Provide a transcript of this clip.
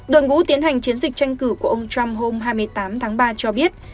đội ngũ tiến hành chiến dịch tranh cử của ông trump hôm hai mươi tám tháng ba cho biết